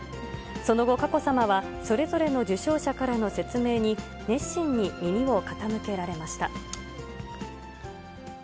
その後、佳子さまはそれぞれの受賞者からの説明に、熱心に耳を傾けられました。